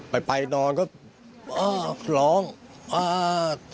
ไปนอนก็อ้าวหลองอ้าว